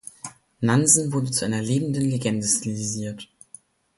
Nansen wurde zu einer lebenden Legende stilisiert.